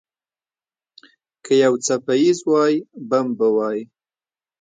که یو څپیز وای، بم به وای.